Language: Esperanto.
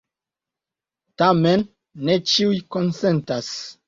Tamen ne ĉiuj konsentas.